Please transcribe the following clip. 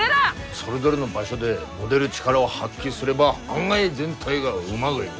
それぞれの場所で持でる力を発揮すれば案外全体がうまぐいぐ。